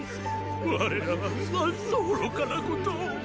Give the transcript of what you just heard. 我らは何と愚かなことを。